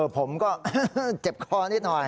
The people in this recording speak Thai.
ผมก็เจ็บคอนิดหน่อย